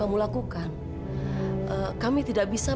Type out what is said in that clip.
apakah kamu ikhlas